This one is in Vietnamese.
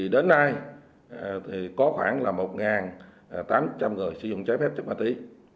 đến nay có khoảng một tám trăm linh người sử dụng chất ma túy